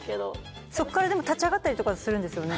そっからでも立ち上がったりとかするんですよね？